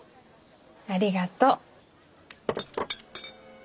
ありがとう。